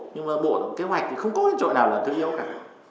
nhưng mà bộ kế hoạch thì không có chỗ nào là thứ yếu cả